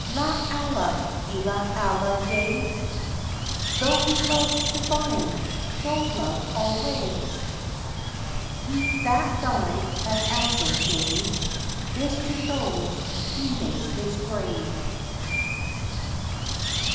La Allah illa Allah! yea! Thou Love divine! Thou Love alway! _He that died at Azan gave This to those who made his grave.